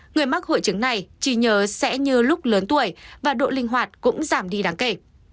người mắc hội chứng này chỉ nhờ sẽ như lúc lớn tuổi và độ linh hoạt cũng giảm đi đáng kể